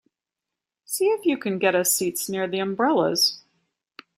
See if you can get us seats near the umbrellas.